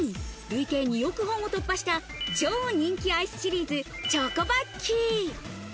累計２億本を突破した超人気アイスシリーズ、チョコバッキー。